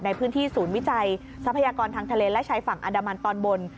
ในพื้นที่ศูนย์วิจัยทรัพยากรทางทะเลและชายฝั่งอันดามันตอนบน